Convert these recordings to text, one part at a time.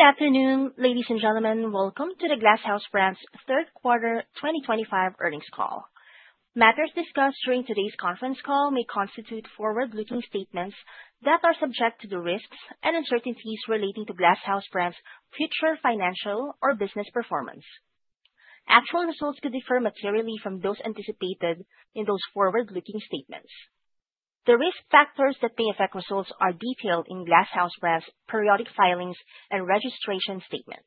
Good afternoon ladies and gentlemen. Welcome to the Glass House Brands third quarter 2025 earnings call. Matters discussed during today's conference call may constitute forward-looking statements that are subject to the risks and uncertainties relating to Glass House Brands future financial or business performance. Actual results could differ materially from those anticipated in those forward-looking statements. The risk factors that may affect results are detailed in Glass House Brands' periodic filings and registration statement.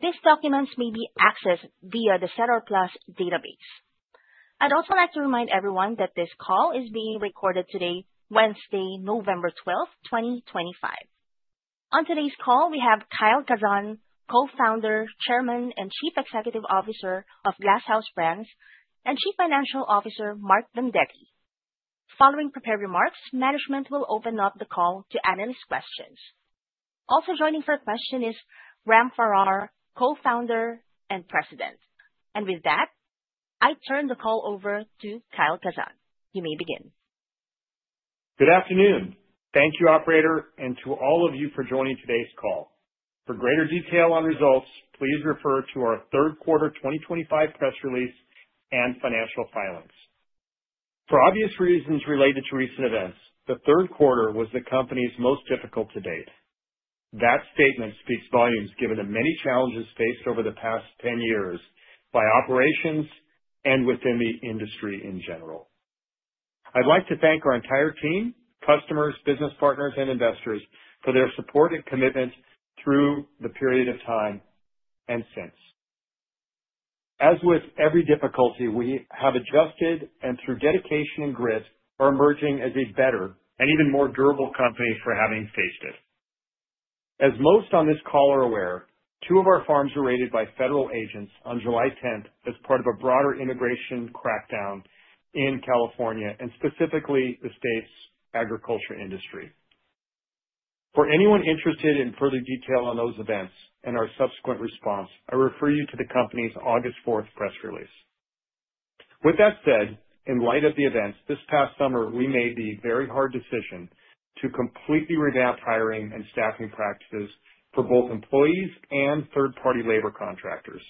These documents may be accessed via the SEDAR+ database. I'd also like to remind everyone that this call is being recorded today, Wednesday, November 12, 2025. On today's call we have Kyle Kazan, Co-Founder, Chairman and Chief Executive Officer of Glass House Brands and Chief Financial Officer Mark Vendetti. Following prepared remarks, management will open up the call to analyst questions. Also joining for a question is Graham Farrar, Co-Founder and President, and with that I turn the call over to Kyle Kazan. You may begin. Good afternoon. Thank you, Operator, and to all of you for joining today's call. For greater detail on results, please refer to our third quarter 2025 press release and financial filings. For obvious reasons related to recent events. The third quarter was the company's. Most difficult to date. That statement speaks volumes given the many challenges faced over the past 10 years by operations and within the industry in general. I'd like to thank our entire team. Customers, business partners, and investors for their support and commitment through the period of time and since, as with every difficulty. We have adjusted and through dedication and grit are emerging as a better and even more durable company for having faced it. As most on this call are aware, two of our farms were raided by federal agents on July 10th as part of a broader immigration crackdown in California and specifically the state's agriculture industry. For anyone interested in further detail on those events and our subsequent response, I refer you to the company's August 4th press release. With that said, in light of the events this past summer, we made the very hard decision to completely revamp hiring and staffing practices for both employees and third party labor contractors.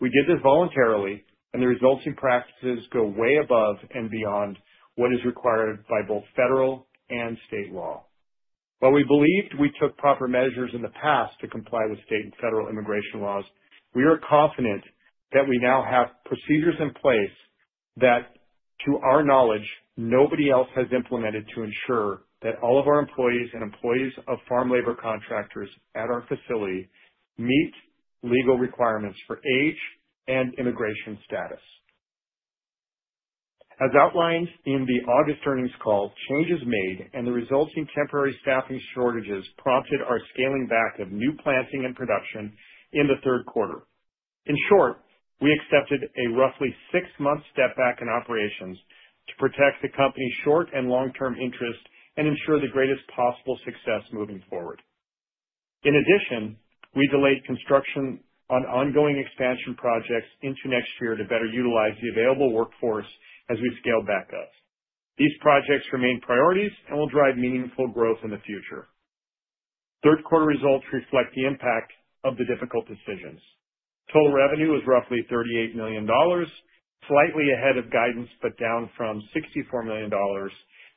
We did this voluntarily and the results and practices go way above and beyond what is required by both federal and state law. While we believed we took proper measures. In the past, to comply with state and federal immigration laws, we are confident that we now have procedures in place. That, to our knowledge, nobody else has. Implemented to ensure that all of our employees and employees of farm labor contractors at our facility meet legal requirements for age and immigration status. As outlined in the August earnings call. Changes made and the resulting temporary staffing shortages partly prompted our scaling back of new planting and production in the third quarter. In short, we accepted a roughly six-month step back in operations to protect the company's short- and long-term interest and ensure the greatest possible success moving forward. In addition, we delayed construction on ongoing expansion projects into next year to better utilize the available workforce as we scale back up. These projects remain priorities and will drive meaningful growth in the future. Third quarter results reflect the impact of the difficult decisions. Total revenue was roughly $38 million, slightly ahead of guidance, but down from $64 million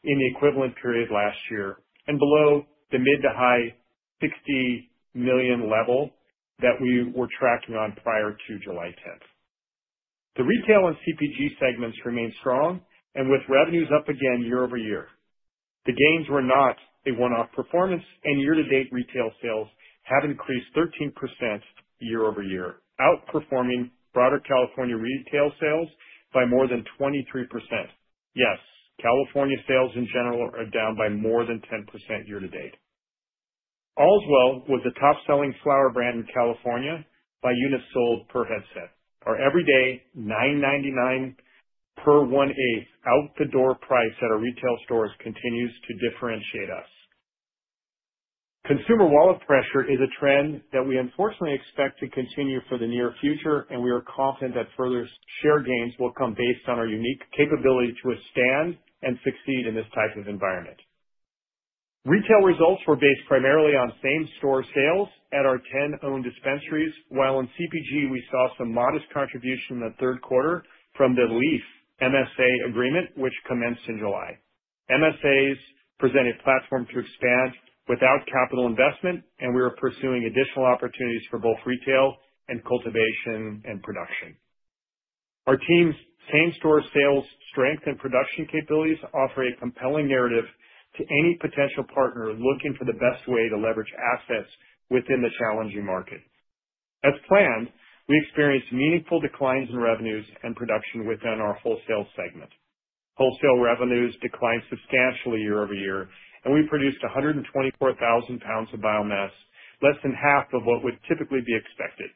in the equivalent period last year and below the mid- to high-$60 million level that we were tracking on prior to July 10th. The retail and CPG segments remained strong and with revenues up again year-over-year, the gains were not a one-off performance and year-to-date retail sales have increased 13% year-over-year, outperforming broader California retail sales by more than 23%. Yes, California sales in general are down by more than 10% year to date. Allswell was a top selling flower brand in California by units sold per Headset. Our everyday $9.99 per 1/8 out the door price at our retail stores continues to differentiate us. Consumer wallet pressure is a trend that we unfortunately expect to continue for the near future and we are confident that further share gains will come based on our unique capability to withstand and succeed in this type of environment. Retail results were based primarily on same store sales at our 10 owned dispensaries. While in CPG we saw some modest contribution in the third quarter from The LEEF MSA agreement which commenced in July. MSAs present a platform to expand without capital investment and we are pursuing additional opportunities for both retail and cultivation and production. Our team's same store sales strength and production capabilities offer a compelling narrative to any potential partner looking for the best way to leverage assets within the challenging market. As planned, we experienced meaningful declines in revenues and production within our wholesale segment. Wholesale revenues declined substantially year-over-year and we produced 124,000 lbs of biomass, less than half of what would typically be expected.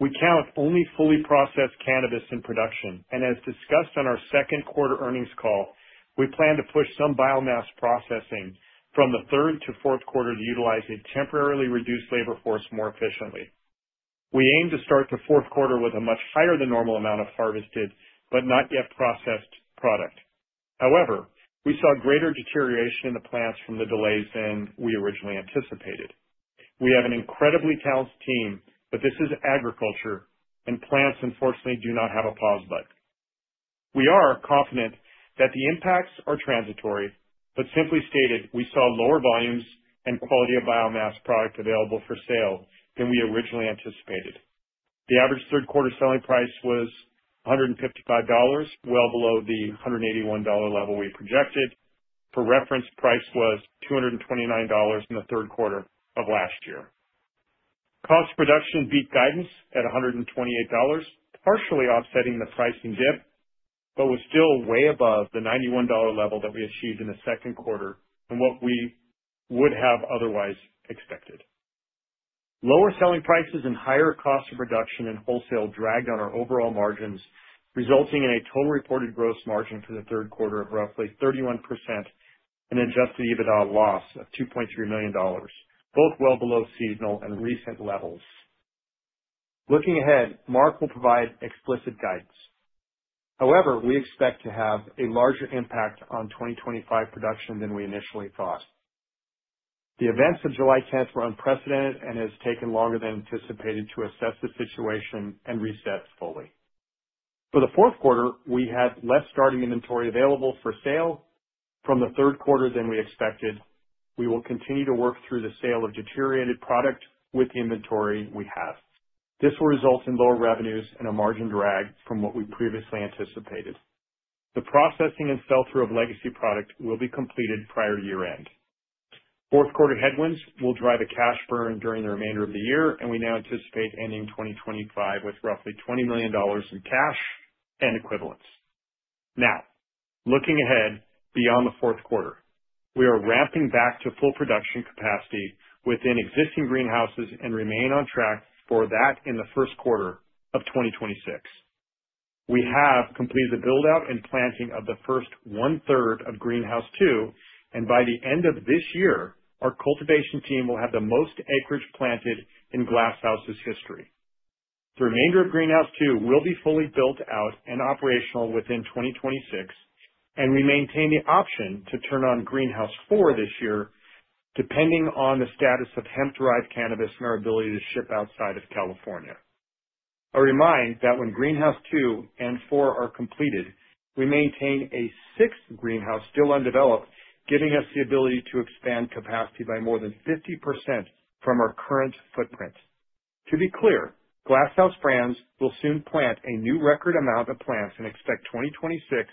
We count only fully processed cannabis in production and as discussed on our second quarter earnings call, we plan to push some biomass processing from the third to fourth quarter to utilize a temporarily reduced labor force more efficiently. We aim to start the fourth quarter with a much higher than normal amount of harvested but not yet processed product. However, we saw greater deterioration in the plants from the delays than we originally anticipated. We have an incredibly talented team, but this is agriculture and plants unfortunately do not have a pause, but we are confident that the impacts are transitory, but simply stated, we saw lower volumes and quality of biomass product available for sale than we originally anticipated. The average third quarter selling price was $155, well below the $181 level we projected. For reference, price was $229. In the third quarter of last year, cost of production beat guidance at $128, partially offsetting the pricing dip, but was still way above the $91 level that we achieved in the second quarter and what we would have otherwise expected. Lower selling prices and higher cost of production in wholesale dragged on our overall margins, resulting in a total reported gross margin for the third quarter of roughly 31% and adjusted EBITDA loss of $2.3 million, both well below seasonal and recent levels. Looking ahead, Mark will provide explicit guidance. However, we expect to have a larger. Impact on 2025 production than we initially thought. The events of July 10 were unprecedented and has taken longer than anticipated to assess the situation and reset fully for the fourth quarter. We had less starting inventory available for sale from the third quarter than we expected. We will continue to work through the sale of deteriorated product with the inventory we have. This will result in lower revenues and a margin drag from what we previously anticipated. The processing and sell through of legacy product will be completed prior to year end. Fourth quarter headwinds will drive a cash burn during the remainder of the year and we now anticipate ending 2025 with roughly $20 million in cash and equivalents. Now, looking ahead beyond the fourth quarter, we are ramping back to full production capacity within existing greenhouses and remain on track for that in the first quarter of 2026. We have completed the build out and planting of the first one third of Greenhouse 2, and by the end of this year our cultivation team will have the most acreage planted in Glass House's history. The remainder of Greenhouse 2 will be fully built out and operational within 2026, and we maintain the option to turn on Greenhouse 4 this year depending on the status of hemp derived cannabis and our ability to ship outside of California. A reminder that when Greenhouse 2 and Greenhouse 4 are completed, we maintain a sixth. Greenhouse still undeveloped, giving us the ability to expand capacity by more than 50%. From our current footprint. To be clear, Glass House Brands will soon plant a new record amount of plants and expect 2026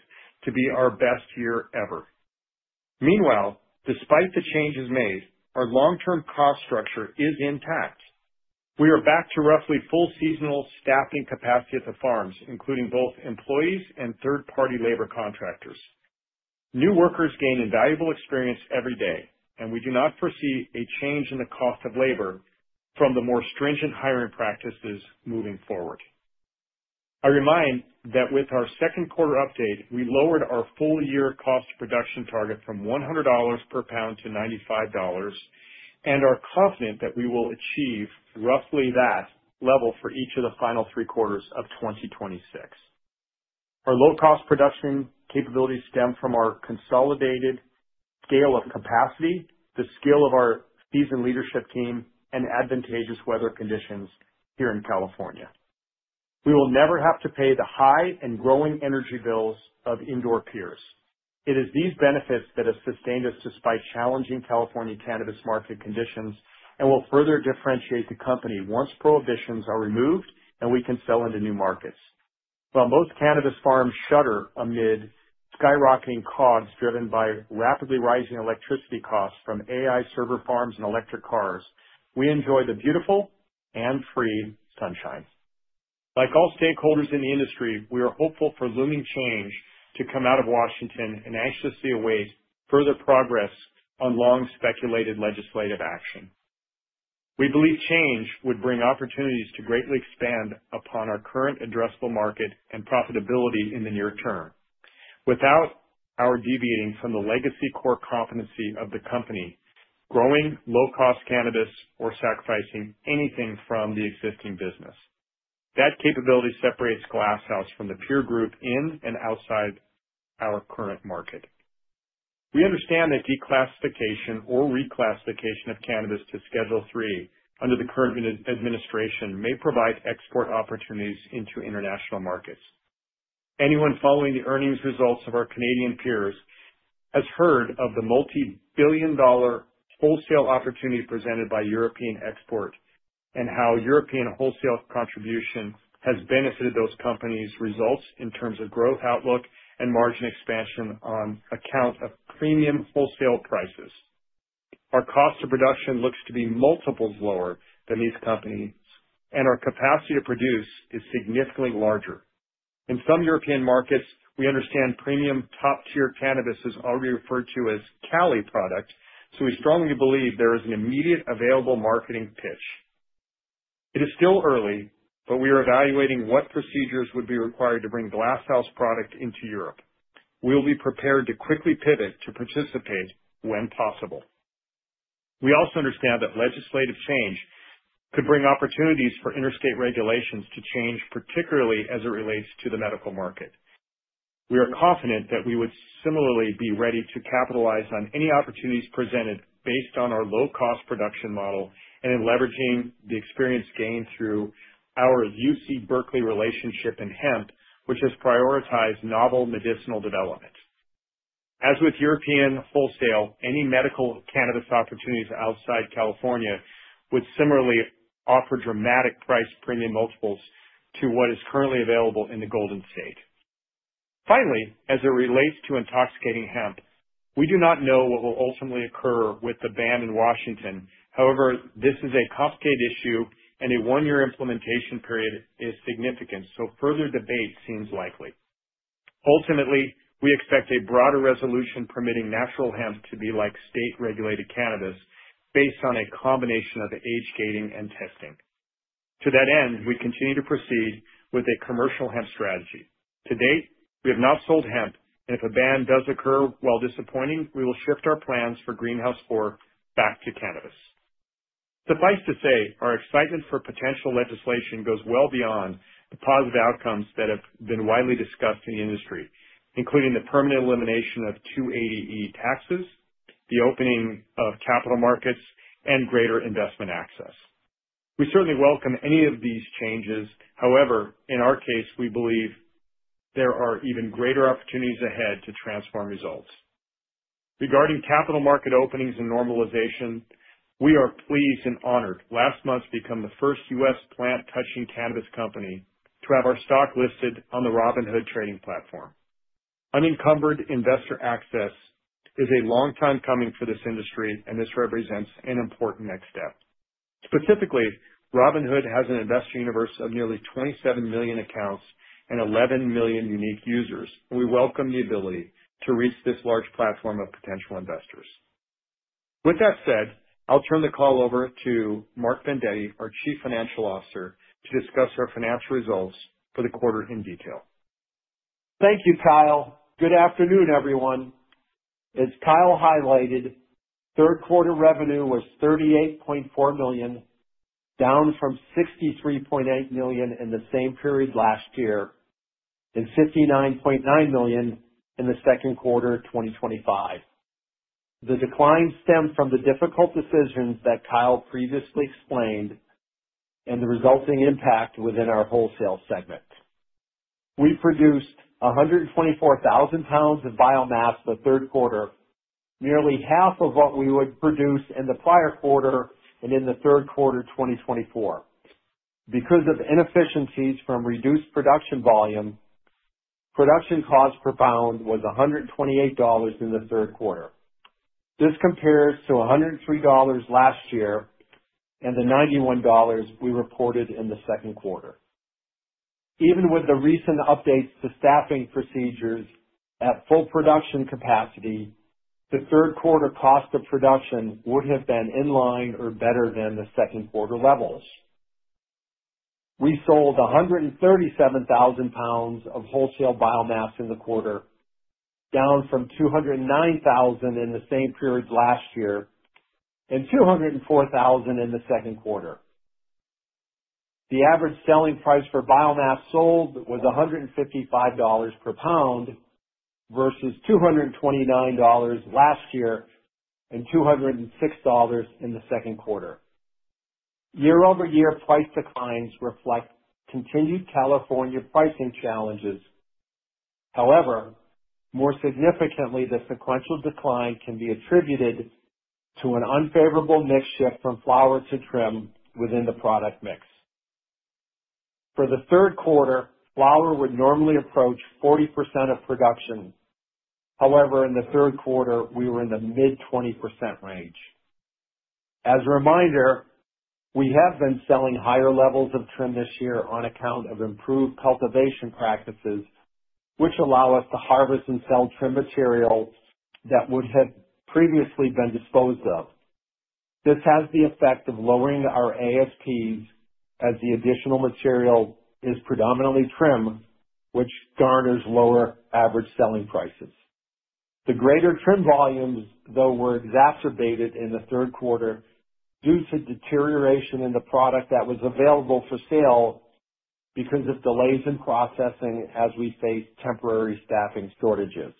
to be our best year ever. Meanwhile, despite the changes made, our long term cost structure is intact. We are back to roughly full seasonal staffing capacity at the farms, including both employees and third party labor contractors. New workers gain invaluable experience every day and we do not foresee a change in the cost of labor from the more stringent hiring practices. Moving forward, I remind that with our second quarter update we lowered our full year cost of production target from $100 per pound to $95 and are confident that we will achieve roughly that level for each of the final three quarters of 2026. Our low cost production capabilities stem from our consolidated scale of capacity, the skill of our seasoned leadership team and advantageous weather conditions here in California. We will never have to pay the high and growing energy bills of indoor peers. It is these benefits that have sustained us despite challenging California cannabis market conditions and will further differentiate the company once prohibitions are removed and we can sell into new markets. While most cannabis farms shudder amid skyrocketing COGS driven by rapidly rising electricity costs from AI server farms and electric cars, we enjoy the beautiful and free sunshine. Like all stakeholders in the industry, we are hopeful for looming change to come out of Washington and anxiously await further progress on long speculated legislative action. We believe change would bring opportunities to greatly expand upon our current addressable market and profitability in the near term without our deviating from the legacy core competency of the company, growing low cost cannabis or sacrificing anything from the existing business. That capability separates Glass House from the peer group in and outside our current market. We understand that declassification or reclassification of cannabis to Schedule III under the current administration may provide export opportunities into international markets. Anyone following the earnings results of our Canadian peers has heard of the multi-billion-dollar wholesale opportunity presented by European export and how European wholesale contribution has benefited those companies results in terms of growth, outlook and margin expansion on account of premium wholesale prices, our cost of production looks to be multiples lower than these companies and our capacity to produce is. Significantly larger in some European markets. We understand premium top tier cannabis is already referred to as Cali product, so we strongly believe there is an immediate available marketing pitch. It is still early, but we are. Evaluating what procedures would be required to bring Glass House product into Europe. We will be prepared to quickly pivot to participate when possible. We also understand that legislative change could bring opportunities for interstate regulations to change, particularly as it relates to the medical market. We are confident that we would similarly be ready to capitalize on any opportunities presented based on our low cost production model and in leveraging the experience gained through our UC Berkeley relationship in hemp which has prioritized novel medicinal development. As with European wholesale, any medical cannabis opportunities outside California would similarly offer dramatic price premium multiples to what is currently available in the Golden State. Finally, as it relates to intoxicating hemp, we do not know what will ultimately occur with the ban in Washington. However, this is a complicated issue and a one year implementation period is significant, so further debate seems likely. Ultimately, we expect a broader resolution permitting natural hemp to be like state regulated cannabis and based on a combination of age, gating and testing. To that end, we continue to proceed with a commercial hemp strategy. To date we have not sold hemp and if a ban does occur while disappointing, we will shift our plans for Greenhouse 4 back to cannabis. Suffice to say, our excitement for potential legislation goes well beyond the positive outcomes that have been widely discussed in the industry, including the permanent elimination of 280E taxes, the opening of capital markets and greater investment access. We certainly welcome any of these changes. However, in our case we believe there are even greater opportunities ahead to transform results regarding capital market openings and normalization. We are pleased and honored. Last month we became the first U.S. plant-touching cannabis company to have our stock listed on the Robinhood trading platform. Unencumbered investor access is a long time coming for this industry and this represents an important next step. Specifically, Robinhood has an investor universe of nearly 27 million accounts and 11 million unique users. We welcome the ability to reach this. Large platform of potential investors. With that said, I'll turn the call over to Mark Vendetti, our Chief Financial Officer to discuss our financial results for. The quarter in detail. Thank you, Kyle. Good afternoon, everyone. As Kyle highlighted, third quarter revenue was $38.4 million, down from $63.8 million in the same period last year and $59.9 million in the second quarter 2025. The decline stemmed from the difficult decisions that Kyle previously explained and the resulting impact within our wholesale segment. We produced 124,000 pounds of biomass in the third quarter, nearly half of what we would produce in the prior quarter and in the third quarter 2024. Because of inefficiencies from reduced production volume, production cost per pound was $128 in the third quarter. This compares to $103 last year and the $91 we reported in the second quarter. Even with the recent updates to staffing procedures at full production capacity, the third quarter cost of production would have been in line or better than the second quarter levels. We sold 137,000 lbs of wholesale biomass in the quarter, down from 209,000 lbs in the same period last year and 204,000 lbs in the second quarter. The average selling price for biomass sold was $155 per pound versus $229 last year and $206 in the second quarter. Year-over-year price declines reflect continued California pricing challenges. However, more significantly, the sequential decline can be attributed to an unfavorable mix shift from flower to trim within the product mix. For the third quarter, flower would normally approach 40% of production. However, in the third quarter we were in the mid-20% range. As a reminder, we have been selling higher levels of trim this year on account of improved cultivation practices which allow us to harvest and sell trim material that would have previously been disposed of. This has the effect of lowering our ASPs as the additional material is predominantly trim, which garners lower average selling prices. The greater trim volumes though were exacerbated in the third quarter due to deterioration in the product that was available for sale because of delays in processing as we face temporary staffing shortages.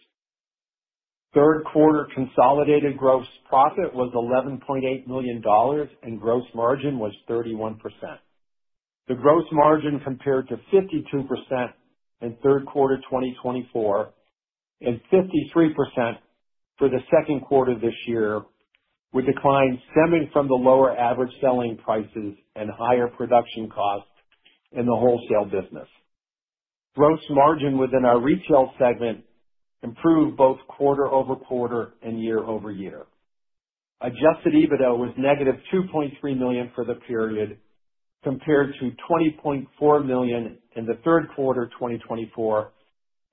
Third quarter consolidated gross profit was $11.8 million and gross margin was 31%. The gross margin compared to 52% in third quarter 2024 and 53% for the second quarter this year, with declines stemming from the lower average selling prices and higher production costs in the wholesale business. Gross margin within our retail segment improved both quarter-over-quarter and year-over-year. Adjusted EBITDA was -$2.3 million for the period compared to $20.4 million in the third quarter 2024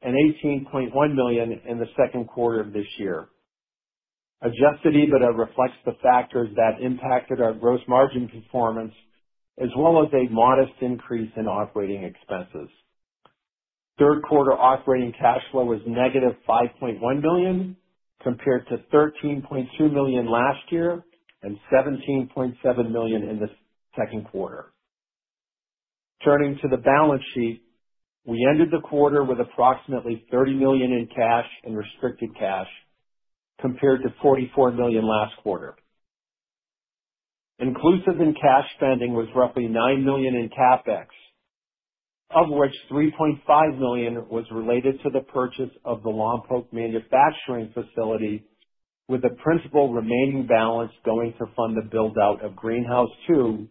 and $18.1 million in the second quarter of this year. Adjusted EBITDA reflects the factors that impacted our gross margin performance as well as a modest increase in operating expenses. Third quarter operating cash flow was -$5.1 million compared to $13.2 million last year and $17.7 million in the second quarter. Turning to the balance sheet, we ended the quarter with approximately $30 million in cash and restricted cash compared to $44 million last quarter. Inclusive in cash spending was roughly $9 million in CapEx, of which $3.5 million was related to the purchase of the Lompoc manufacturing facility, with the principal remaining balance going to fund the buildout of Greenhouse 2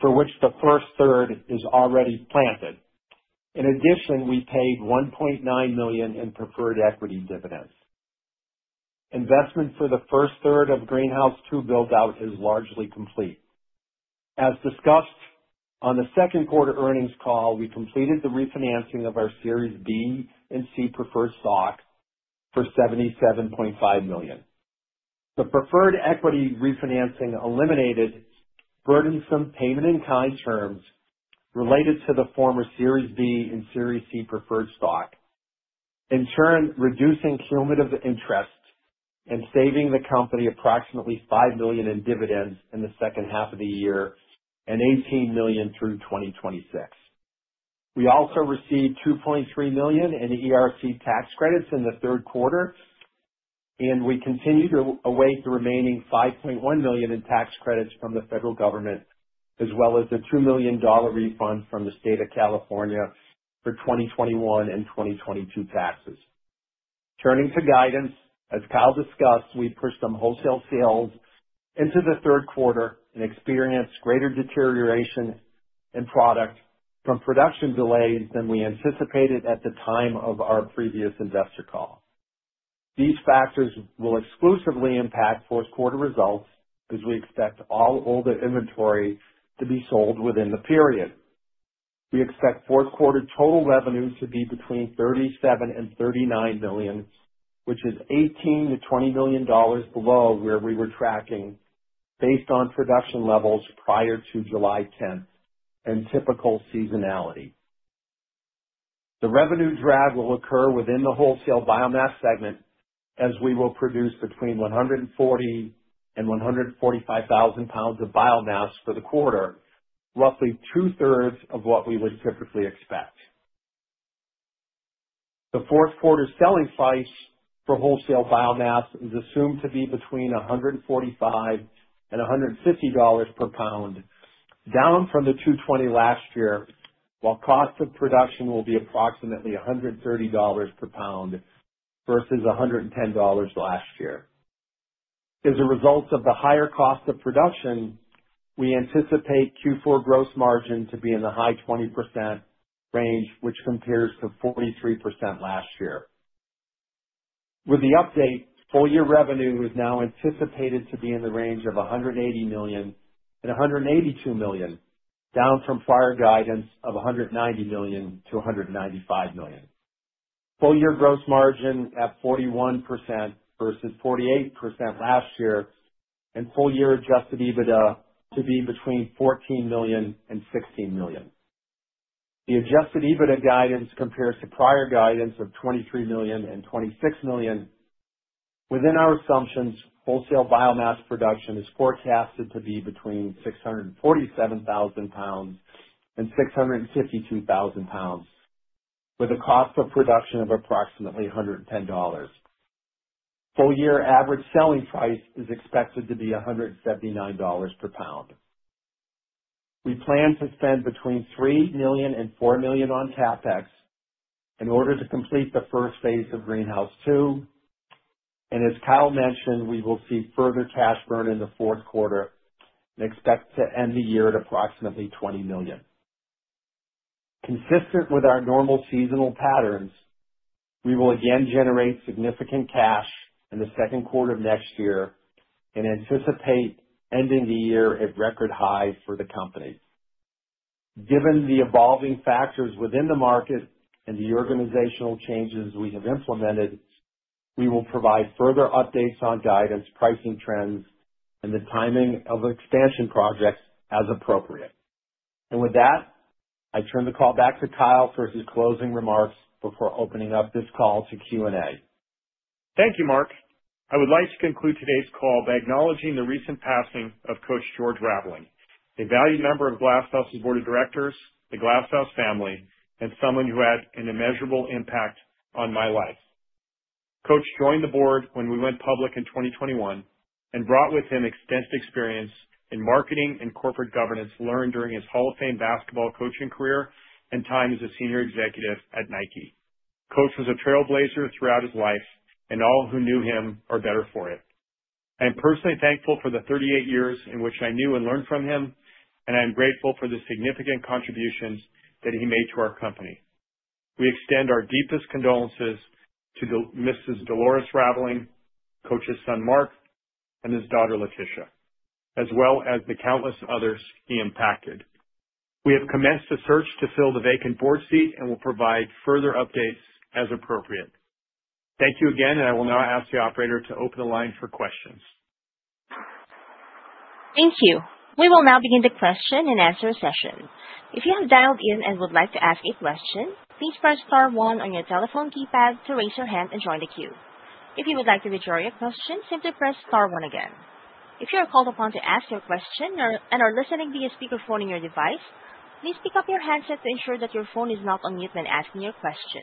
for which the first third is already planted. In addition, we paid $1.9 million in preferred equity dividends. Investment for the first third of Greenhouse 2 buildout is largely complete. As discussed on the second quarter earnings call, we completed the refinancing of our Series B and C preferred stock for $77.5 million. The preferred equity refinancing eliminated burdensome payment in kind terms related to the former Series B and Series C preferred stock, in turn reducing cumulative interest and saving the company approximately $5 million in dividends in the second half of the year and $18 million through 2026. We also received $2.3 million in ERC tax credits in the third quarter and we continue to await the remaining $5.1 million in tax credits from the federal government as well as the $2 million refund from the state of California for 2021 and 2022 taxes. Turning to guidance, as Kyle discussed, we pushed some wholesale sales into the third quarter and experienced greater deterioration in product from production delays than we anticipated at the time of our previous investor call. These factors will exclusively impact fourth quarter results as we expect all older inventory to be sold within the period. We expect fourth quarter total revenue to be between $37 million and $39 million, which is $18 million-$20 million below where we were tracking based on production levels prior to July 10th and typical seasonality. The revenue drag will occur within the wholesale biomass segment as we will produce between 140,000 and 145,000 pounds of biomass for the quarter, roughly two thirds of what we would typically expect. The fourth quarter selling price for wholesale biomass is assumed to be between $145 and $150 per pound down from the $220 last year, while cost of production will be approximately $130 per pound versus $110 last year. As a result of the higher cost of production, we anticipate Q4 gross margin to be in the high 20% range, which compares to 43% last year. With the update. Full year revenue is now anticipated to be in the range of $180 million and $182 million, down from prior guidance of $190 million-$195 million. Full year gross margin at 41% versus 48% last year and full year adjusted EBITDA to be between $14 million and $16 million. The adjusted EBITDA guidance compares to prior guidance of $23 million and $26 million. Within our assumptions. Wholesale biomass production is forecasted to be between $647,000 and $652,000 with a cost of production of approximately $110 full year. Average selling price is expected to be $179 per pound. We plan to spend between $3 million and $4 million on CapEx in order to complete the first phase of Greenhouse 2 and as Kyle mentioned, we will see further cash burn in the fourth quarter and expect to end the year at approximately $20 million. Consistent with our normal seasonal patterns. We will again generate significant cash in the second quarter of next year and anticipate ending the year at record highs for the company. Given the evolving factors within the market and the organizational changes we have implemented, we will provide further updates on guidance, pricing trends and the timing of expansion projects as appropriate. And with that, I turn the call back to Kyle for his closing remarks before opening up this call to Q&A. Thank you, Mark. I would like to conclude today's call by acknowledging the recent passing of Coach George Raveling, a valued member of Glass House's Board of Directors, the Glass House family, and someone who had an immeasurable impact on my life. Coach joined the board when we went public in 2021 and brought with him extensive experience in marketing and corporate governance learned during his Hall of Fame basketball coaching career and time as a senior executive at Nike. Coach was a trailblazer throughout his life and all who knew him are better for it. I am personally thankful for the 38 years in which I knew and learned from him and I'm grateful for the significant contributions that he made to our company. We extend our deepest condolences to Mrs. Delores Raveling, Coach's son Mark, and his daughter Leticia, as well as the countless others he impacted. We have commenced a search to fill the vacant board seat and will provide further updates as appropriate. Thank you again and I will now ask the operator to open the line for questions. Thank you. We will now begin the question and answer session. If you have dialed in and would like to ask a question, please press Star one on your telephone keypad to raise your hand and join the queue. If you would like to withdraw your question, simply press Star one again. If you are called upon to ask your question and are listening via speakerphone in your device, please pick up your handset to ensure that your phone is not on mute when asking your question.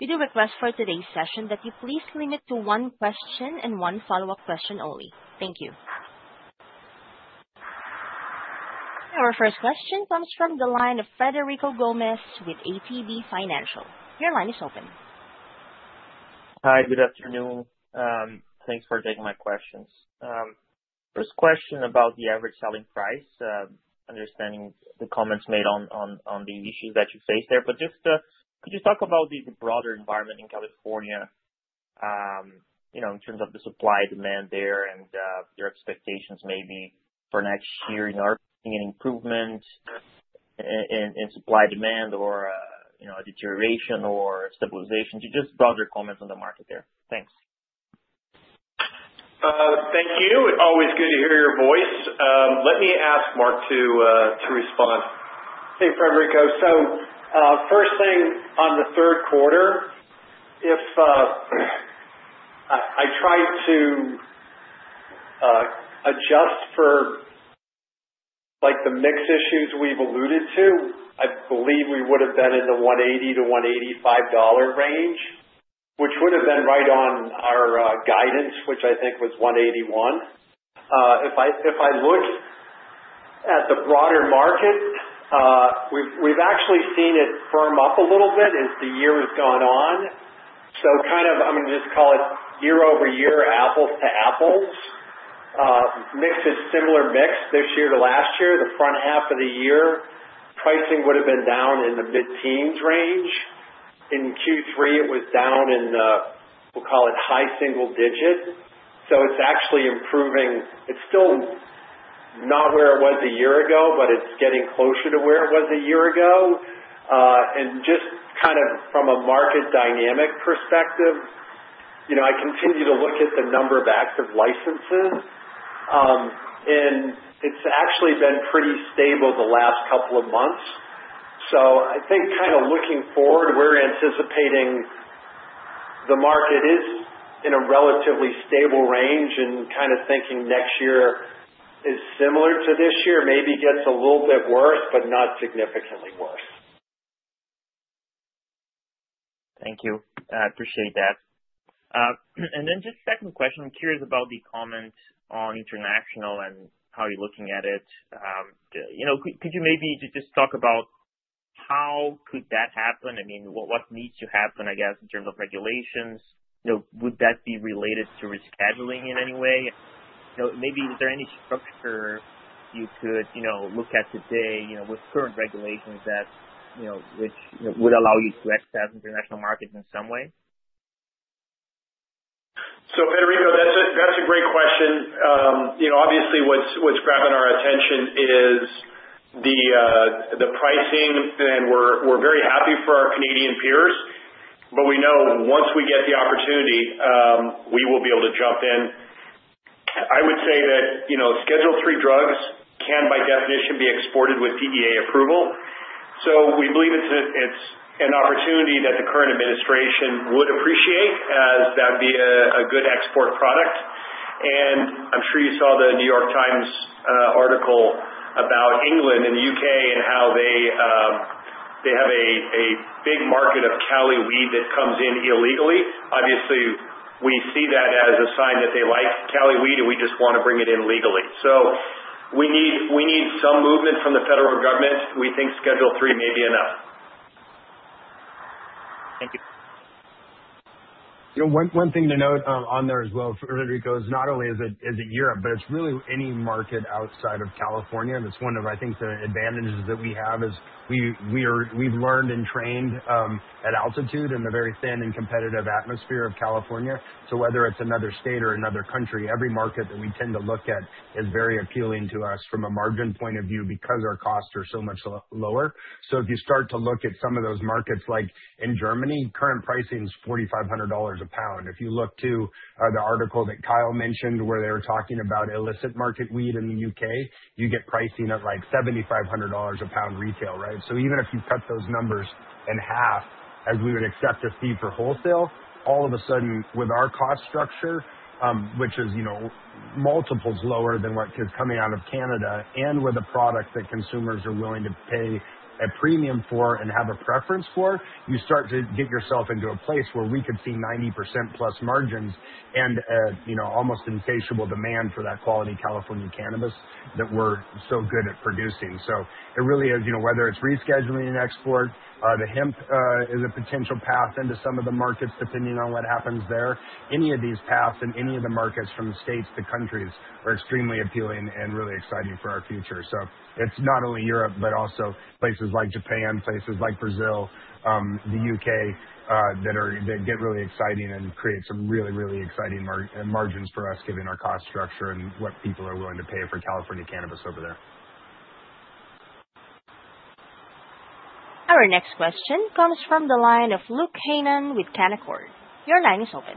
We do request for today's session that you please limit to one question and one follow up question only. Thank you. Our first question comes from the line of Frederico Gomes with ATB Financial. Your line is open. Hi, good afternoon. Thanks for taking my questions. First question about the average selling price, understanding the comments made on the issues that you face there, but just could you talk about the broader environment in California. In terms of the supply demand there and your expectations maybe for next year in our improvement? In supply, demand or deterioration or stabilization. Just broader comments on the market there. Thanks. Thank you. Always good to hear your voice. Let me ask Mark to respond. Hey, Frederico. So first thing on the third quarter, if. I try to. Adjust for. Like the mix issues we've alluded to I. believe we would have been in the $180-$185 range, which would have been right on our guidance, which I think was $181. If I look at the broader market, we've actually seen it firm up a little bit as the year has gone on. So, kind of, I'm just going to. Call it year-over-year. Apples to Apples, mix is similar this year to last year. The front half of the year pricing would have been down in the mid-teens range. In Q3 it was down in, we'll call it high single digit. So it's actually improving. It's still not where it was a year ago, but it's getting closer to where it was a year ago. And just kind of from a market dynamic perspective, I continue to look at the number of active licenses and it's actually been pretty stable the last couple of months. So I think kind of looking forward, we're anticipating the market is in a relatively stable range and kind of thinking next year is similar to this year. Maybe gets a little bit worse, but not significantly worse. Thank you, I appreciate that, and then just second question. I'm curious about the comments on international and how you're looking at it. Could you maybe just talk about how could that happen? I mean, what needs to happen? I guess in terms of regulations, would that be related to rescheduling in any way? Maybe. Is there any structure you could look? At today with current regulations which would allow you to access international markets in some way? So, Frederico, that's a great question. Obviously what's grabbing our attention is the pricing and we're very happy for our Canadian peers, but we know once we get the opportunity, we will be able to jump in. I would say that Schedule III drugs can by definition be exported with DEA approval. So we believe it's an opportunity that the current administration would appreciate as that would be a good export product. And I'm sure you saw the New York Times article about England and the U.K. and how they have a big market of Cali weed that comes in illegally. Obviously we see that as a sign that they like Cali weed and we just want to bring it in legally. So we need some movement from the federal government. We think Schedule III may be enough. Thank you. You know, one thing to note on there as well, Rodrigo, is not only is it Europe, but it's really any market outside of California. That's one of, I think the advantages that we have is we've learned and trained at altitude in the very thin and competitive atmosphere of California. So whether it's another state or another country, every market that we tend to look at is very appealing to us from a margin point of view because our costs are so much lower. So if you start to look at some of those markets, like in Germany, current pricing is $4,500 a pound. If you look to the article that Kyle mentioned where they were talking about illicit market weed in the U.K., you get pricing at like $7,500 a pound retail, right? So even if you cut those numbers in half, as we would accept a fee for wholesale, all of a sudden, with our cost structure, which is, you know, multiples lower than what is coming out of Canada, and with a product that consumers are willing to pay a premium for and have a preference for, you start to get yourself into a place where we could see 90%. margins and, you know, almost insatiable demand for that quality California cannabis that we're so good at producing. So it really is, you know, whether it's rescheduling and export, the hemp is a potential path into some of the markets, depending on what happens there. Any of these paths in any of the markets from the States to countries are extremely appealing and really exciting for our future. So it's not only Europe, but also places like Japan, places like Brazil, the U.K. that get really exciting and create some really, really exciting margins for us, given our cost structure and what people are willing to pay for California cannabis over there. Our next question comes from the line of Luke Hannan with Canaccord. Your line is open.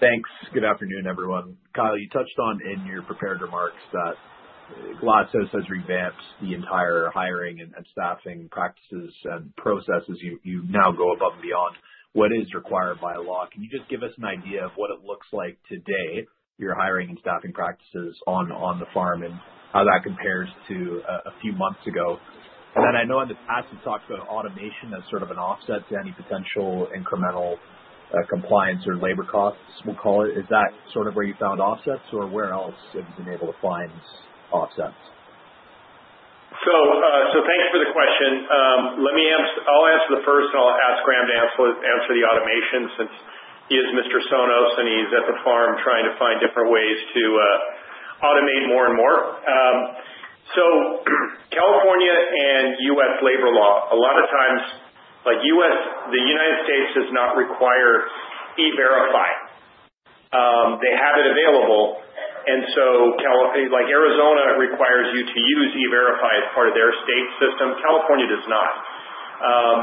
Thanks. Good afternoon, everyone. Kyle, you touched on in your prepared remarks that Glass House has revamped the entire hiring and staffing practices and processes. You now go above and beyond what is required by law. Can you just give us an idea of what it looks like today, your hiring and staffing practices on the Farm, and how that compares to a few months ago? And then I know in the past you talked about automation as sort of an offset to any potential incremental compliance or labor costs, we'll call it. Is that sort of where you found offsets or where else is in it to find offsets? So thank you for the question. I'll answer the first and I'll ask Graham to answer the automation, since he is Mr. Sonos and he's at the farm trying to find different ways to automate more and more. So California and U.S. labor law, a lot of times, like U.S., the United States does not require E-Verify. They have it available and so like, Arizona requires you to use E-Verify as part of their state system. California does not.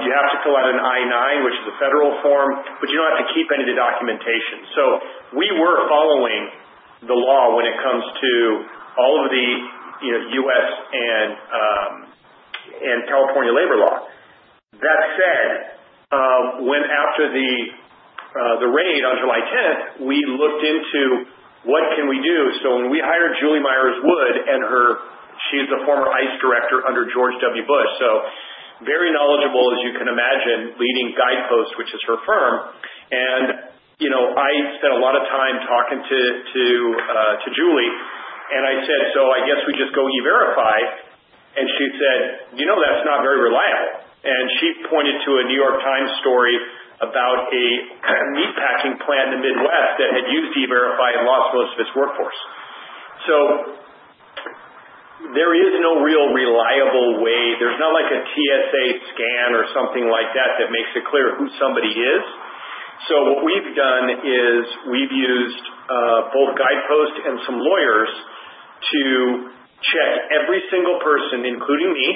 You have to fill out an I-9, which is a Federal form, but you don't have to keep any of the documentation. So we were following the law when it comes to all of the U.S. And California labor law. That said, when after the raid on July 10, we looked into what can we do. So when we hired Julie Myers Wood and her, she's a former ICE director under George W. Bush, so very knowledgeable, as you can imagine, leading Guidepost, which is her firm. And, you know, I spent a lot of time talking to Julie and I said, so I guess we just go E-Verify. And she said, you know, that's not very reliable. And she pointed to a New York Times story about a meatpacking plant in the Midwest that had used E-Verify and lost most of its workforce. So there is no real reliable way. There's not like a TSA scan or something like that that makes it clear who somebody is. So what we've done is we've used both Guidepost and some lawyers to check every single person, including me.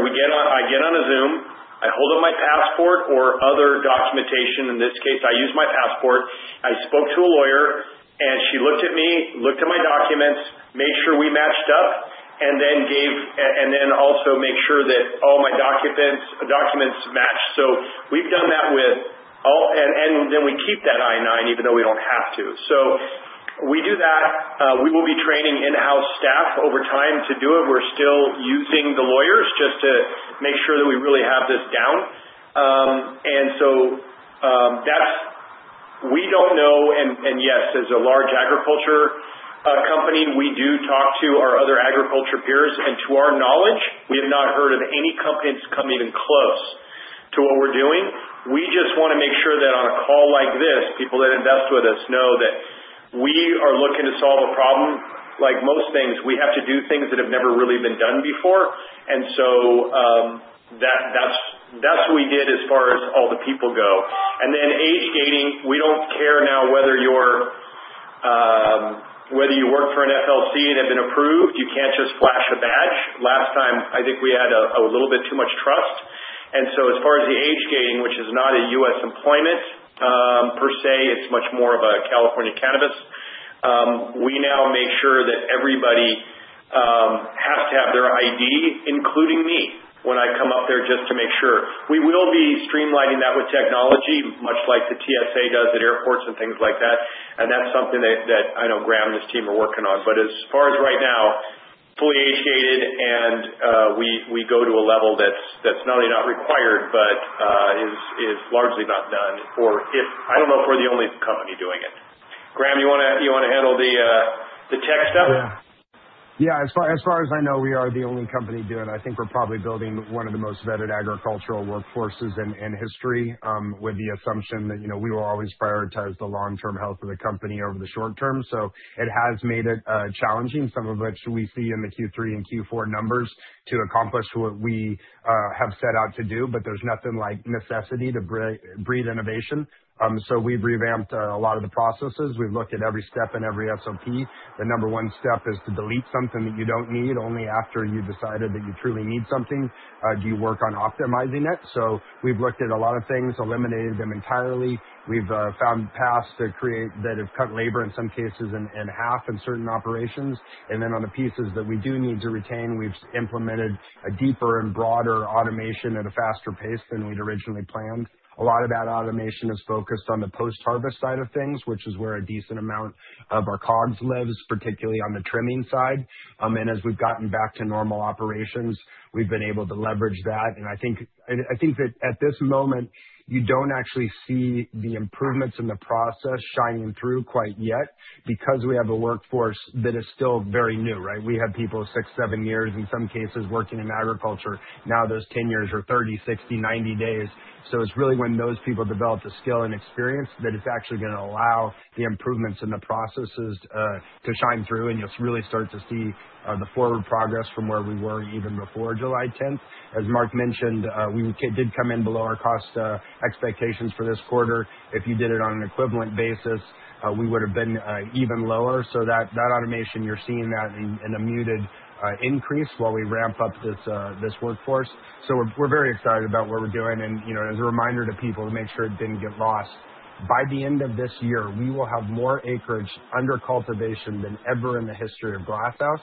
When I get on a Zoom, I hold up my passport or other documentation. In this case, I use my passport. I spoke to a lawyer, and she looked at me, looked at my documents, made sure we matched up, and then also make sure that all my documents matched. So we've done that with. And then we keep that I-9, even though we don't have to. So we do that. We will be training in-house staff over time to do it. We're still using the lawyers just to make sure that we really have this down. And so that's. We don't know. And yes, as a large agriculture company, we do talk to our other agriculture peers. And to our knowledge, we have not heard of any company that's coming close to what we're doing. We just want to make sure that on a call like this, people that invest with us know that we are looking to solve a problem. Like most things, we have to do things that have never really been done before. And so. That's what we did. As far as all the people go and then age gating, we don't care now whether you're. Whether you work for an FLC and have been approved. You can't just flash a badge. Last time, I think we had a little bit too much trust. And so as far as the age gating, which is not a U.S. Employment per se, it's much more of a California cannabis. We now make sure that everybody has to have their ID, including me when I come up there just to make sure. We will be streamlining that with technology, much like the TSA does at airports and things like that. And that's something that I know Graham and his team are working on. But as far as right now fully age-gated and we go to a level that's not only not required, but is largely not done, or if. I don't know if we're the only company doing it. Graham, you want to handle the tech stuff? Yeah, as far as I know, we are the only company doing. I think we're probably building one of the most vetted agricultural workforces in history with the assumption that, you know, we will always prioritize the long-term health of the company over the short-term. So it has made it challenging, some of which we see in the Q3 and Q4 numbers, to accomplish what we have set out to do. But there's nothing like necessity to breathe innovation. So we've revamped a lot of the processes. We've looked at every step in every SOP. The number one step is to delete something that you don't need. Only after you decided that you truly need something do you work on optimizing it. So we've looked at a lot of things, eliminated them entirely. We've found paths to create that have cut labor in some cases in half in certain operations. And then on the pieces that we do need to retain, we've implemented a deeper and broader automation at a faster pace than we'd originally planned. A lot of that automation is focused on the post-harvest side of things, which is where a decent amount of our COGS lives, particularly on the trimming side. And as we've gotten back to normal operations, we've been able to leverage that. And I think that at this moment you don't actually see the improvements in the process shining through quite yet because we have a workforce that is still very new. Right. We have people six, seven years in some cases working in agriculture. Now those 10 years are 30, 60, 90 days. So it's really when those people develop the skill and experience that it's actually going to allow the improvements and the processes to shine through and you'll really start to see the forward progress from where we were even before July 10th. As Mark mentioned, we did come in below our cost expectations for this quarter. If you did it on an equivalent basis, we would have been even lower. So that automation, you're seeing that in a muted increase while we ramp up this workforce. So we're very excited about what we're doing and you know, as a reminder to people to make sure it didn't get lost, by the end of this year we will have more acreage under cultivation than ever in the history of Glass House.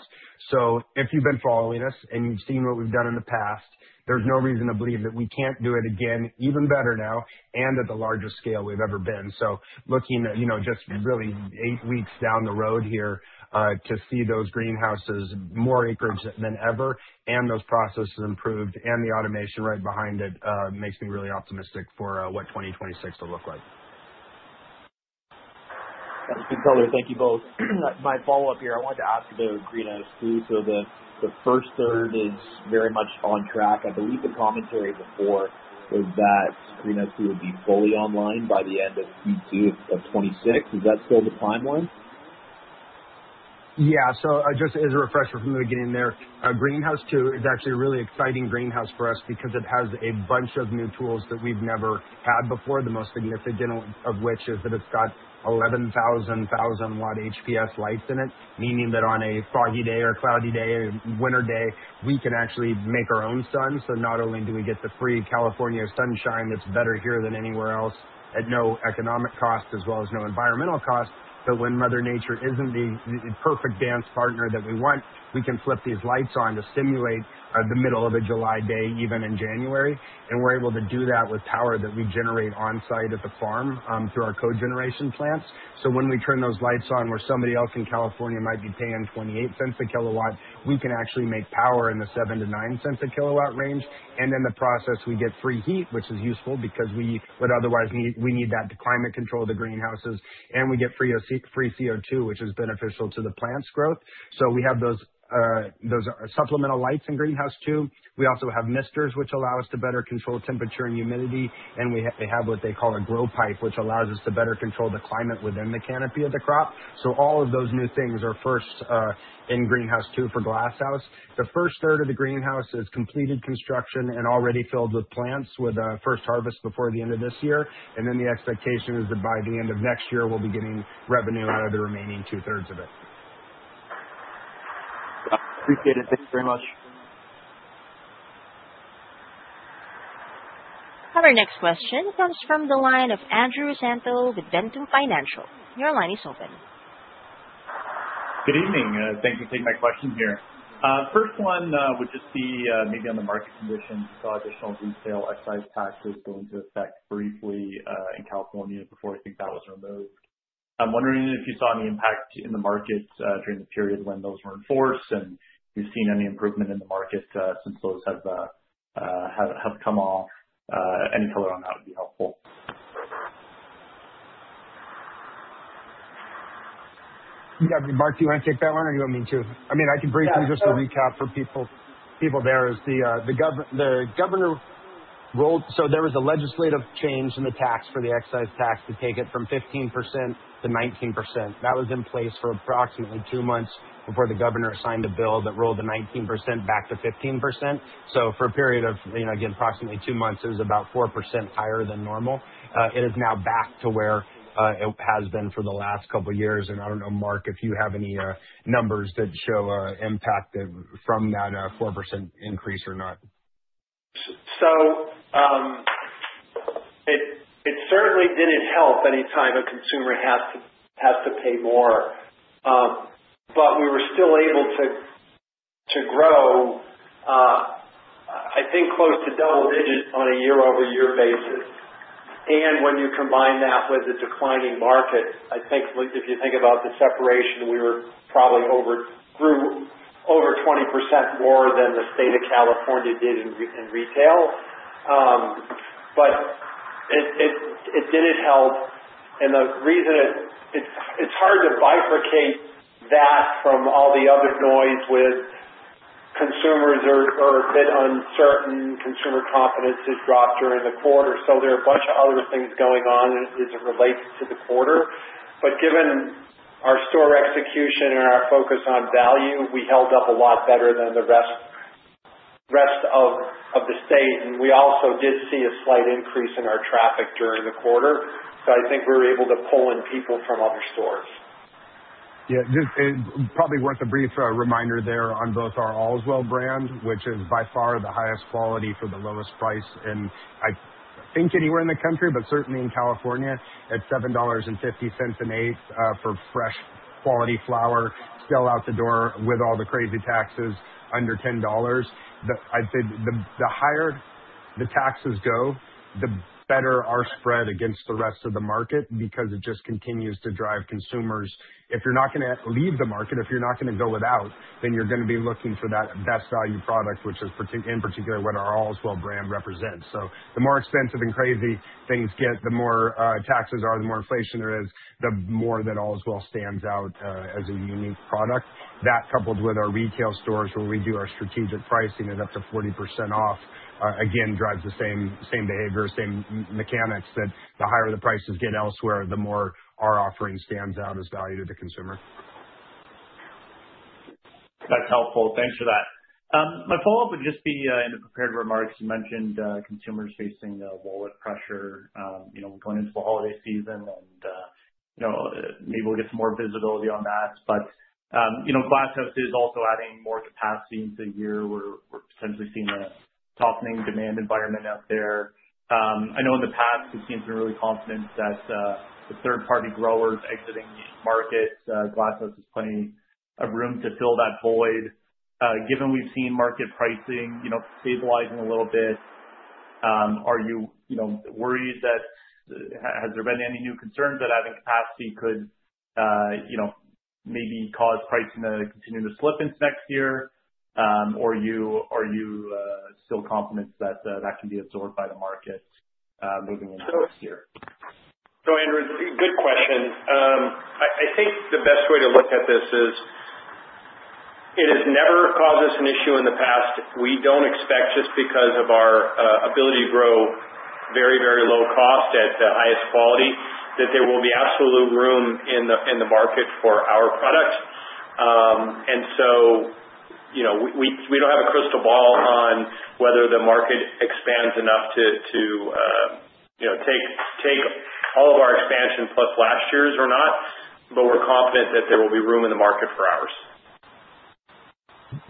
So if you've been following us and you've seen what we've done in the past, there's no reason to believe that we can't do it again. Even better now and at the largest scale we've ever been. So looking at just really eight weeks down the road here to see those greenhouses, more acreage than ever and those processes improved and the automation right behind it makes me really optimistic for what 2026 will look like. Thank you both. My follow-up here, I wanted to ask about Greenhouse 2. So the first third is very much on track. I believe the commentary before was that Greenhouse 2 would be fully online by the end of Q2 of 2026. Is that still the timeline? Yeah, so just as a refresher from the beginning there, Greenhouse 2 is actually a really exciting greenhouse for us because it has a bunch of new tools that we've never had before. The most significant of which is that it's got 11,000 1,000 W HPS lights in it, meaning that on a foggy day or cloudy day, winter day, we can actually make our own sun. So not only do we get the free California sunshine that's better here than anywhere else at no economic cost, as well as no environmental cost, but when Mother Nature isn't the perfect dance partner that we want, we can flip these lights on to simulate the middle of a July day, even in January, and we're able to do that with power that we generate on site at the farm through our cogeneration plants. When we turn those lights on, where somebody else in California might be paying $0.28 per kilowatt, we can actually make power in the $0.07-$0.09 per kilowatt range. In the process we get free heat, which is useful because we would otherwise need that to climate control of the greenhouses. We get free CO2, which is beneficial to the plants growth. We have those supplemental lights in Greenhouse 2. We also have misters which allow us to better control temperature and humidity. They have what they call a grow pipe which allows us to better control the climate within the canopy of the crop. All of those new things are first in Greenhouse 2 for Glass House. The first third of the greenhouse is completed construction and already filled with plants with a first harvest before the end of this year. And then the expectation is that by the end of next year we'll be getting revenue out of the remaining two thirds of it. Appreciate it. Thank you very much. Our next question comes from the line of Andrew Semple with Ventum Financial. Your line is open. Good evening. Thank you for taking my question here. First. One would just be maybe on the market conditions saw additional retail excise taxes go into effect briefly in California before I think that was removed. I'm wondering if you saw any impact in the market during the period when those were in force and you've seen any improvement in the market since those have come off. Any color on that would be helpful. Mark do you want to take that one or do you want me to? I mean I can briefly just recap for people. The governor rolled. So there was a legislative change in the tax for the excise tax to take it from 15% to 19%. That was in place for approximately two months before the governor signed a bill that rolled the 19% back to 15%. So for a period of, you know, again approximately two months, it was about 4% higher than normal. It is now back to where it has been for the last couple years. And I don't know, Mark, if you have any numbers that show impact from that 4% increase or not. So. It certainly didn't help any time a consumer has to pay more. But we were still able to grow. I think close to double digits on a year-over-year basis, and when you combine that with the declining market, I think if you think about the separation, we probably grew over 20% more than the state of California did in retail. But it didn't help, and the reason it's hard to bifurcate that from all the other noise with consumers are a bit uncertain. Consumer competency dropped during the quarter, so there are a bunch of other things going on as it relates to the quarter. But given our store execution and our. Focus on value, we held up a lot better than the rest of the state. And we also did see a slight increase in our traffic during the quarter. So I think we were able to pull in people from other stores. Yeah, probably worth a brief reminder there on both, both our Allswell brand which is by far the highest quality for the lowest price and I think anywhere in the country, but certainly in California at $7.50 an eighth for fresh quality flower still out the door with all the crazy taxes under $10. I'd say the higher the taxes go, the better our spread against the rest of the market because it just continues to drive consumers. If you're not going to leave the market, if you're not going to go without, then you're going to be looking for that best value product, which is in particular what our Allswell brand represents. So the more expensive and crazy things get, the more taxes are, the more inflation there is, the more that Allswell stands out as a unique product. That, coupled with our retail stores where we do our strategic pricing at up to 40% off, again drives the same behavior, same mechanics that the higher the prices get elsewhere, the more our offering stands out as value to the consumer. That's helpful. Thanks for that. My follow up would just be in the prepared remarks you mentioned consumers facing wallet pressure, you know, going into the holiday season and you know, maybe we'll get some more visibility on that. But you know, Glass House is also adding more capacity into the year where we're potentially seeing a softening demand environment out there. I know in the past the team's been really confident that the third-party growers exiting markets, Glass House has plenty of room to fill that void. Given we've seen market pricing stabilizing a little bit. Are you worried that has there been? Any new concerns that adding capacity could? Maybe cause pricing to continue to slip into next year? Or are you still confident that that can be absorbed by the market moving into next year? So Andrew, good question. I think the best way to look at this is it has never caused us an issue in the past. We don't expect just because of our ability to grow very, very low cost at the highest quality, that there will be absolute room in the market for our product. And so we don't have a crystal ball on whether the market expands enough to. Take all of our expansion plus last year's or not. But we're confident that there will be room in the market for ours.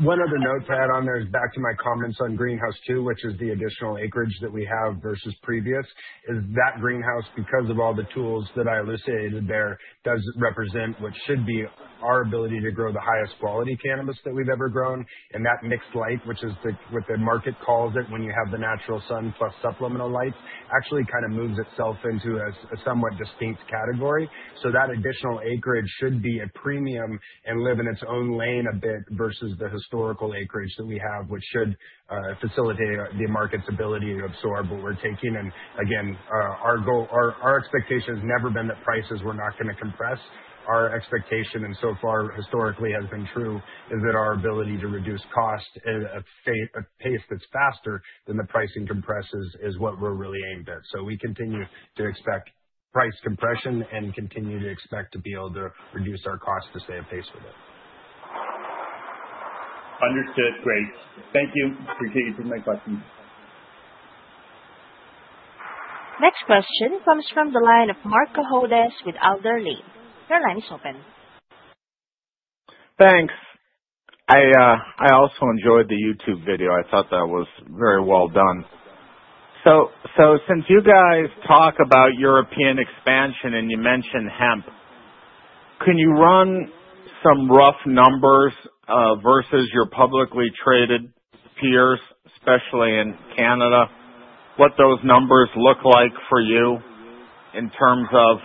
One other note to add on there is back to my comments on Greenhouse 2, which is the additional acreage that we have versus previous, is that greenhouse, because of all the tools that I elucidated, there does represent what should be our ability to grow the highest quality cannabis that we've ever grown. And that mixed light, which is what the market calls it when you have the natural sun plus supplemental lights, actually kind of moves itself into a somewhat distinct category. So that additional acreage should be a premium and live in its own lane a bit versus the historical acreage that we have, which should facilitate the market's ability to absorb what we're taking and again, our goal, our expectation has never been that prices were not going to compress. Our expectation and so far historically has been true, is that our ability to reduce cost at a pace that's faster than the pricing compresses is what we're really aimed at. So we continue to expect price compression and continue to expect to be able to reduce our cost to stay at pace with it. Understood. Great, thank you. Appreciate you taking my questions. Next question comes from the line of Marc Cohodes with Alder Lane. Your line is open. Thanks. I also enjoyed the YouTube video. I thought that was very well done. So since you guys talk about European expansion and you mentioned hemp, can you run some rough numbers versus your publicly traded peers, especially in Canada, what those numbers look like for you in terms of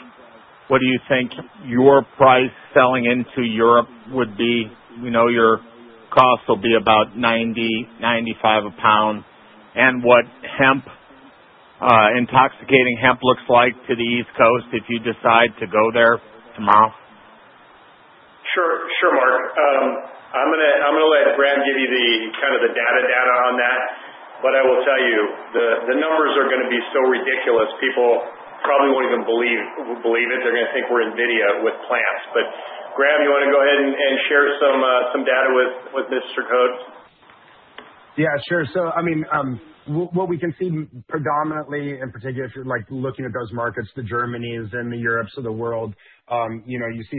what do you think your price selling into Europe would be? We know your cost will be about $90-$95 a pound. And what hemp, intoxicating hemp looks like. To the East Coast if you decide to go there tomorrow. Sure, Mark, I'm going to let Graham give you the kind of the data on that. But I will tell you, the numbers are going to be so ridiculous people probably won't even believe it. They're going to think we're NVIDIA with plants. But Graham, you want to go ahead and share some data with Mr. Cohodes? Yeah, sure. So I mean what we can see predominantly in particular, if you're like looking at those markets, the Germanys and the Europes of the world, you know, you see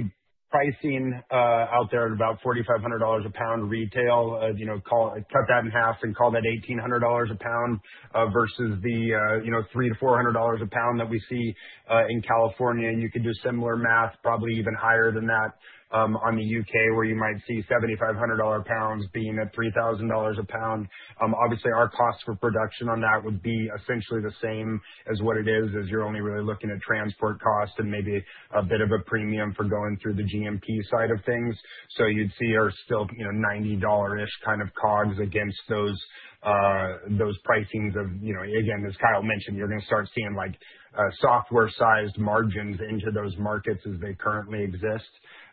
pricing out there at about $4,500 a pound retail. You know, cut that in half and call that $1,800 a pound versus the, you know, $300-$400 a pound that we see in California. You could do similar math, probably even higher than that on the U.K. where you might see $7,500 a pound being at $3,000 a pound. Obviously our cost for production on that would be essentially the same as what it is as you're only really looking at transport costs and maybe a bit of a premium for going through the GMP side of things. You'd see ours still $90-ish kind of COGS against those pricings. Of, again, as Kyle mentioned, you're going to start seeing software-sized margins into those markets as they currently exist.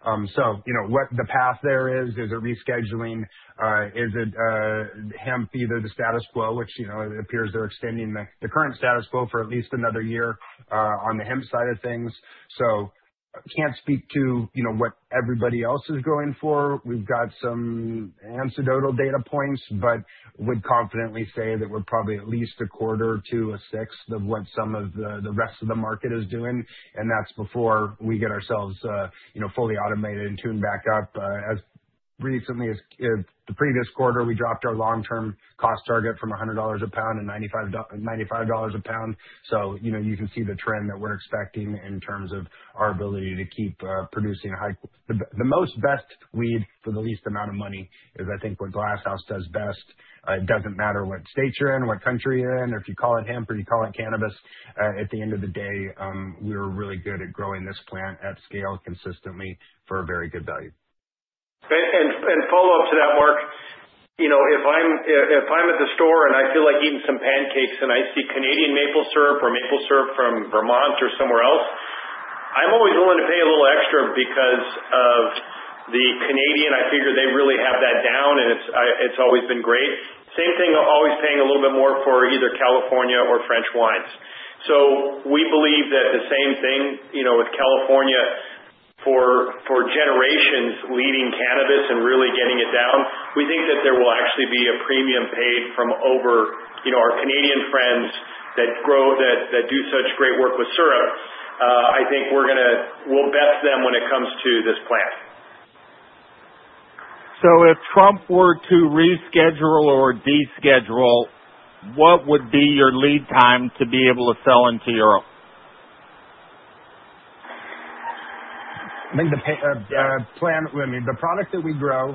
You know what the path there is. Is it rescheduling, is it hemp feed or the status quo which it appears they're extending the current status quo for at least another year on the hemp side of things. Can't speak to what everybody else is going for. We've got some anecdotal data points, but would confidently say that we're probably at least a quarter to a sixth of what some of the rest of the market is doing. That's before we get ourselves, you know, fully automated and tuned back up. As recently as the previous quarter, we dropped our long-term cost target from $100 a pound to $95 a pound. You know, you can see the trend that we're expecting in terms of our ability to keep producing the most best weed for the least amount of money is I think what Glass House does best. It doesn't matter what state you're in, what country you're in, or if you call it hemp or you call it cannabis. At the end of the day, we're really good at growing this plant at scale consistently for a very good value. Follow up to that mark. If I'm at the store and I feel like eating some pancakes and I see Canadian maple syrup or maple syrup from Vermont or somewhere else, I'm always willing to pay a little extra because of the Canadian. I figure they really have that down and it's always been great. Same thing, always paying a little bit more for either California or French wines. So we believe that the same thing with California for generations leading cannabis and really getting it down. We think that there will actually be a premium paid from over our Canadian friends that do such great work with syrup. I think we're going to, we'll best them when it comes to this plant. So if Trump were to reschedule or deschedule, what would be your lead time to be able to sell into Europe? The product that we grow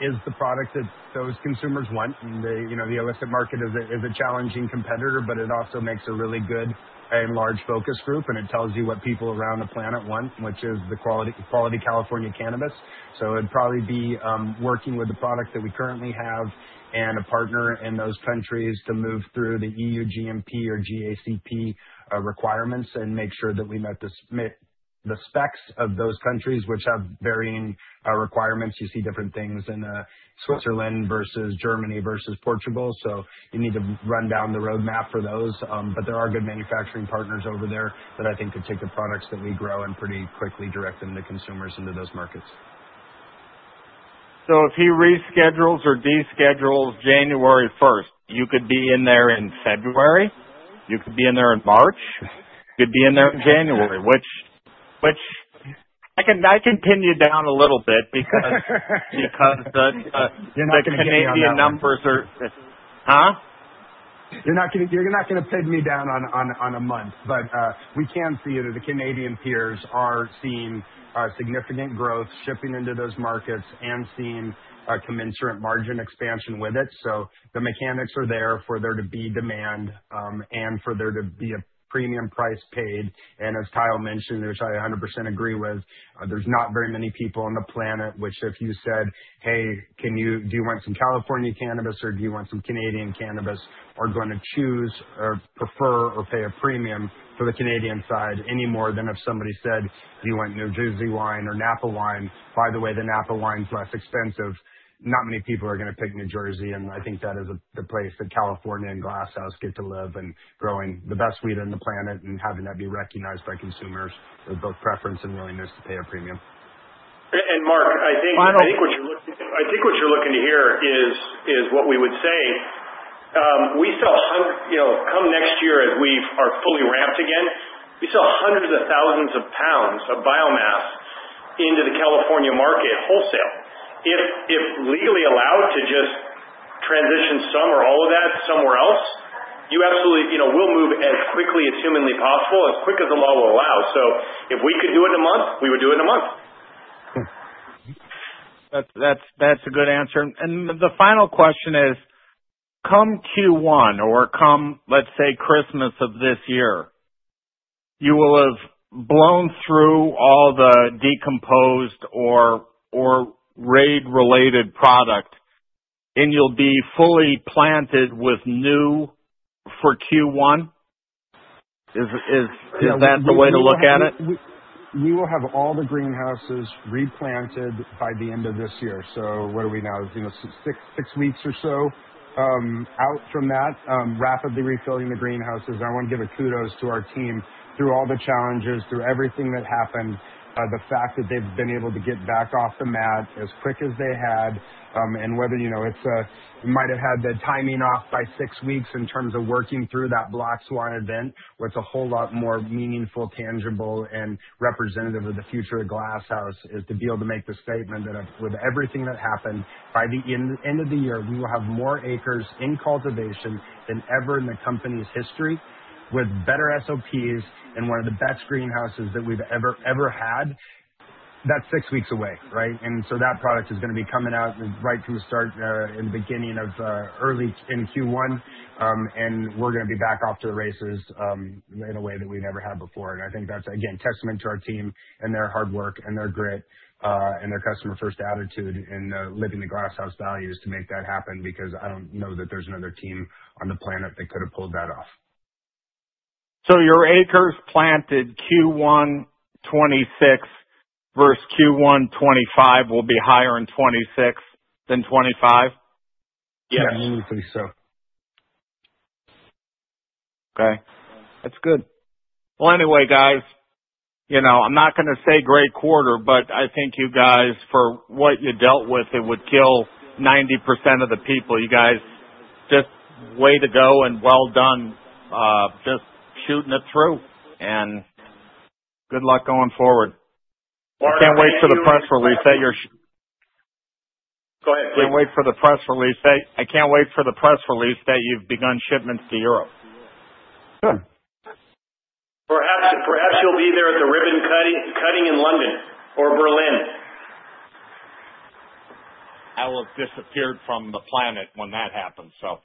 is the product that those consumers want. The illicit market is a challenging competitor, but it also makes a really good and large focus group and it tells you what people around the planet want, which is the quality California cannabis. So it'd probably be working with the product that we currently have and a partner in those countries to move through the EU GMP or GACP requirements and make sure that we met the specs of those countries, which have varying requirements. You see different things in Switzerland versus Germany versus Portugal. So you need to run down the roadmap for those. But there are good manufacturing partners over there that I think could take the products that we grow and pretty quickly direct them to consumers into those markets. So if he reschedules or deschedules January 1st, you could be in there in February, you could be in there in March, you'd be in there in January which. I can pin you down a little bit because. The Canadian numbers are. You're not gonna pin me down on. But we can see that the Canadian peers are seeing significant growth shipping into those markets and seeing commensurate margin expansion with it. So the mechanics are there for there to be demand and for there to be a premium price paid. And as Kyle mentioned, which I 100% agree with, there's not very many people on the planet which if you said, hey, do you want some California cannabis or do you want some Canadian cannabis? Are going to choose or prefer or pay a premium for the Canadian side any more than if somebody said you want New Jersey wine or Napa wine. By the way, the Napa wine's less expensive. Not many people are going to pick New Jersey. I think that is the place that California and Glass House get to live and growing the best weed on the planet and having that be recognized by consumers with both preference and willingness to pay a premium. Mark, I think what you're looking at. I think what you're looking to hear is what we would say we sell come next year as we are fully ramped again. We sell hundreds of thousands of pounds of biomass into the California market wholesale. If legally allowed to just transition some or all of that somewhere else, you absolutely will move as quickly as humanly possible, as quick as the law will allow, so if we could do it in a month, we would do it in a month. That's a good answer. The final question is come Q1 or come, let's say, Christmas of this year, you will have blown through all the decomposed or raid-related product and you'll be fully planted with new for Q1. Is that the way to look at it? We will have all the greenhouses replanted by the end of this year. So what are we now six weeks or so out from that? Rapidly refilling the greenhouses. I want to give a kudos to our team through all the challenges, through everything that happened, the fact that they've been able to get back off the mat as quick as they had, and whether it's. We might have had the timing off by six weeks in terms of working through that Black Swan event. What's a whole lot more meaningful, tangible and representative of the future of Glass House is to be able to make the statement that with everything that happened, by the end of the year, we will have more acres in cultivation than ever in the company's history with better SOPs and one of the best greenhouses that we've ever, ever had. That's six weeks away. Right? And so that product is going to be coming out right from the start and beginning of early in Q1, and we're going to be back off to the races in a way that we never had before. And I think that's again testament to our team and their hard work and their grit and their customer first attitude and living the Glass House values to make that happen. Because I don't know that there's another team on the planet that could have pulled that off. So, your acres planted Q1 2026 versus Q1 2025 will be higher in 2026 than 2025. Yeah. Okay, that's good. Well anyway guys, you know I'm not going to say great quarter but I. Thank you guys for what you did. With it would kill 90% of the people. You guys just way to go and well done. Just shooting it through and good luck going forward. I can't wait for the press release. Go ahead. Can't wait for the press release. I can't wait for the press release that you've begun shipments to Europe. Good. Perhaps you'll be there at the ribbon cutting in London or Berlin. I will have disappeared from the planet when that happens. So.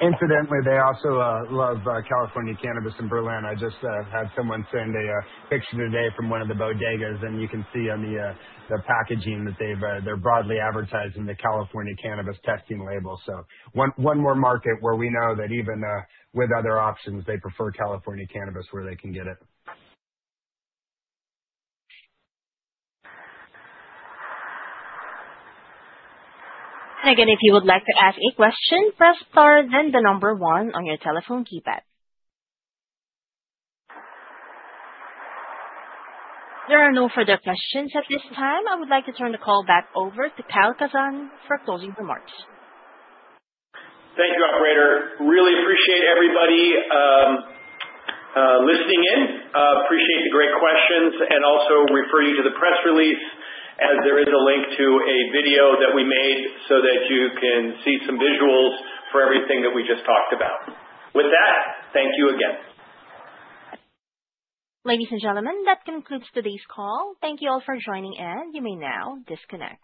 Incidentally, they also love California cannabis in Berlin. I just had someone send a picture today from one of the bodegas and you can see on the packaging that they're broadly advertising the California cannabis testing label. So one more market where we know that even with other options they prefer California cannabis where they can get it. Again. If you would like to ask a question, press star, then the number one on your telephone keypad. There are no further questions at this time. I would like to turn the call back over to Kyle Kazan for closing remarks. Thank you, operator. Really appreciate everybody. Listening in. Appreciate the great questions and also refer you to the press release as there is a link to a video that we made so that you can see some visuals for everything that we just talked about with that. Thank you again. Ladies and gentlemen. That concludes today's call. Thank you all for joining and you may now disconnect.